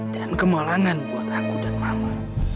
dan kemalangan buat aku dan mama